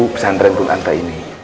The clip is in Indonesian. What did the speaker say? pesantren kulanta ini